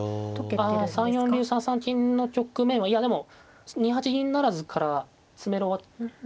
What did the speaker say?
あ３四竜３三金の局面はいやでも２八銀不成から詰めろははい。